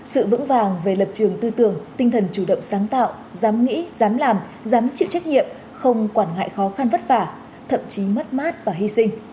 sự vững vàng về lập trường tư tưởng tinh thần chủ động sáng tạo dám nghĩ dám làm dám chịu trách nhiệm không quản ngại khó khăn vất vả thậm chí mất mát và hy sinh